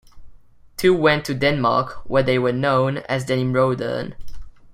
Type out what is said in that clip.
Two went to Denmark, where they were known as the "Nimrodderne".